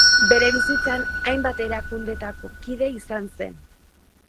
Bere bizitzan hainbat erakundetako kide izan zen.